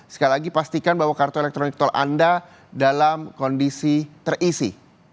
sekali lagi pastikan bahwa kartu elektronik tol anda dalam kondisi terisi